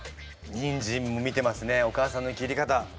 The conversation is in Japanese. にんじんも見てますねお母さんの切り方。